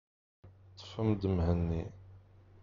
Ṭṭfem-d Mhenni.